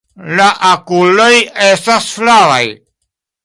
La okuloj estas flavaj.